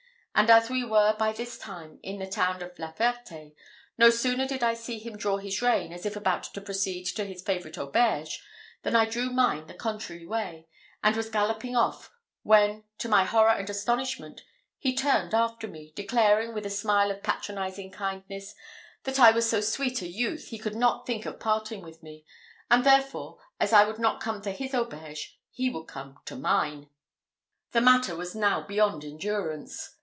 And as we were by this time in the town of La Ferté, no sooner did I see him draw his rein, as if about to proceed to his favourite auberge, than I drew mine the contrary way, and was galloping off, when, to my horror and astonishment, he turned after me, declaring, with a smile of patronising kindness, that I was so sweet a youth, he could not think of parting with me, and therefore, as I would not come to his auberge, he would come to mine. The matter was now beyond endurance.